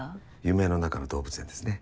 夢の中の動物園ですね。